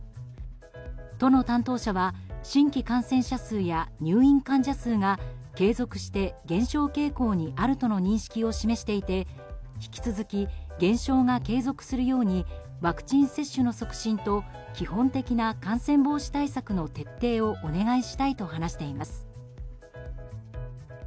都の担当者は新規感染者数や入院患者数が継続して減少傾向にあるとの認識を示していて引き続き減少が継続するようにワクチン接種の促進と基本的な感染防止対策の徹底をお願いしたいと話しています。